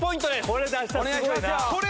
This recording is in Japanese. お願いしますよ。